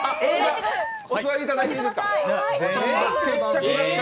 お座りいただいていいですか？